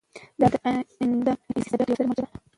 دا د انګلیسي ادبیاتو یوه ستره مرجع ده.